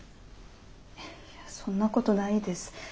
そんなことないです。